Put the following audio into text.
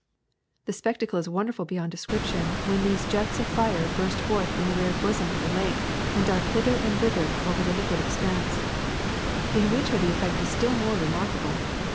The spectacle is wonderful beyond KEROSENE OIL 143 description when these jets of fire burst forth from the very bosom of the lake and dart hither and thither over the liquid expanse. In winter the effect is still more remarkable.